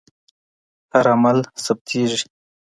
هر عمل ثبتېږي.